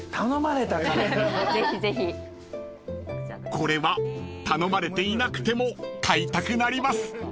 ［これは頼まれていなくても買いたくなります］